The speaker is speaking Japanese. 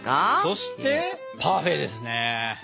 そしてパフェですね。